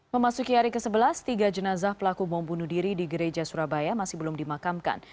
memasuki hari ke sebelas tiga jenazah pelaku bom bunuh diri di gereja surabaya masih belum dimakamkan